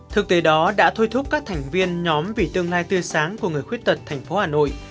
thực tế đó đã thôi thúc các thành viên nhóm vì tương lai tươi sáng của người khuyết tật thành phố hà nội